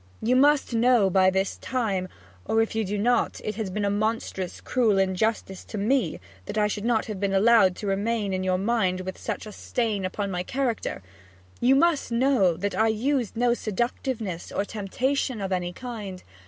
'You must know by this time or if you do not, it has been a monstrous cruel injustice to me that I should have been allowed to remain in your mind with such a stain upon my character you must know that I used no seductiveness or temptation of any kind.